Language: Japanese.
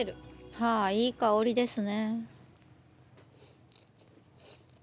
はあいい香りですね。